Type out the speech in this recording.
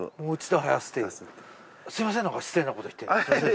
すみませんなんか失礼なこと言って。